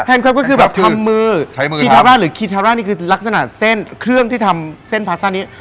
แฮนครัฟต์ก็คือแบบทำมือชิทาร่าหรือคิทาร่านี่คือลักษณะเส้นเครื่องที่ทำเส้นพาสต้านี้